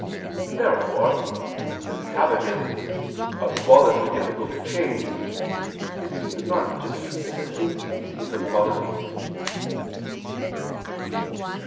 Therefore, since habit is "a quality difficult to change," it seems not to be a distinct species of quality.